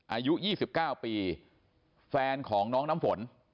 อายุ๒๙ปีแฟนของน้องน้ำฝน